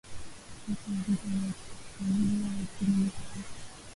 wetu wa Vita Vya Kagera kule Uganda